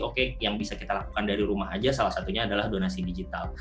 oke yang bisa kita lakukan dari rumah aja salah satunya adalah donasi digital